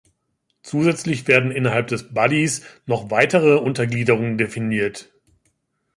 Zusätzlich werden innerhalb des Bodys noch weitere Untergliederungen definiert.